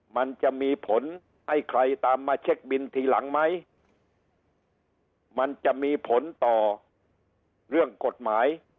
มันจะมีผลให้ใครตามมาเช็คบินทีหลังไหมมันจะมีผลต่อเรื่องกฎหมาย